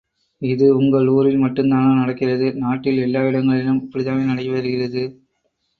இது உங்கள் ஊரில் மட்டும்தானா நடக்கிறது நாட்டில் எல்லா இடங்களிலும் இப்படிதானே நடைபெறுகிறது.